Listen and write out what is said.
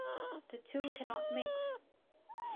The two cannot mix.